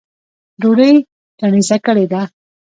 ډوډۍ چڼېسه کړې ده